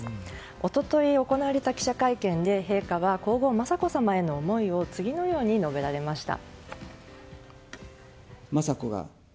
一昨日、行われた記者会見で陛下は皇后・雅子さまへの思いを次のように述べられました。